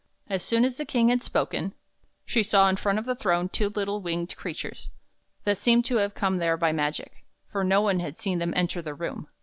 As soon as the King had spoken, she saw in front of the throne two little winged crea tures, that seemed to have come there by magic, for no one had seen them enter the room.